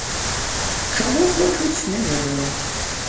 Чаго хочуць, не ведаю.